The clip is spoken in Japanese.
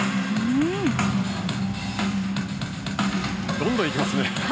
どんどんいきますね。